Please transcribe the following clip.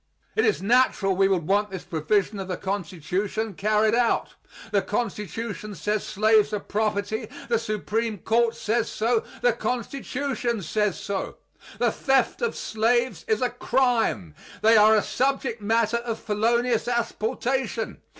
It is natural we should want this provision of the Constitution carried out. The Constitution says slaves are property; the Supreme Court says so; the Constitution says so. The theft of slaves is a crime; they are a subject matter of felonious asportation.